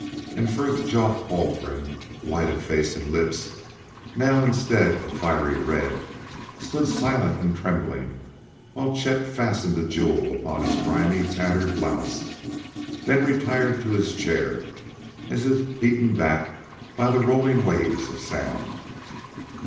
And Frithjof Haldgren, white of face and lips now instead of fiery red, stood silent and trembling while Chet fastened a jewel upon his grimy tattered blouse; then retired to his chair as if beaten back by the rolling waves of sound.